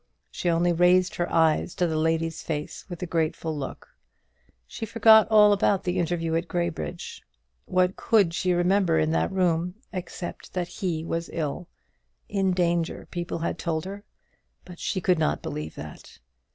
She only raised her eyes to the lady's face with a grateful look. She forgot all about the interview at Graybridge; what could she remember in that room, except that he was ill? in danger, people had told her; but she could not believe that.